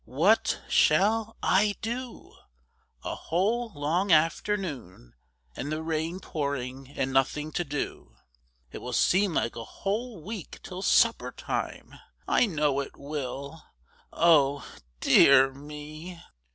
"What—shall—I—do? A whole long afternoon, and the rain pouring and nothing to do. It will seem like a whole week till supper time. I know it will. Oh—dear—me!"